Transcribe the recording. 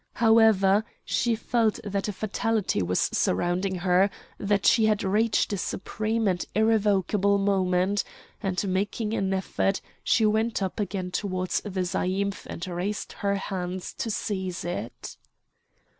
However, she felt that a fatality was surrounding her, that she had reached a supreme and irrevocable moment, and making an effort she went up again towards the zaïmph and raised her hands to seize it.